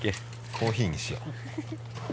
コーヒーにしよう。